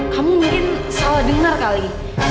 kamu mungkin salah dengar kali